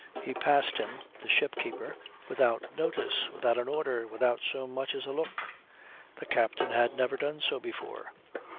He passed him, the ship keeper, without notice, without an order, without so much as a look. The captain had never done so before.